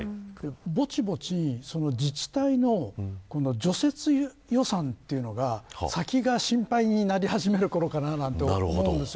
ぼちぼち、自治体の除雪予算というのが先が心配になり始めるころかなと思います。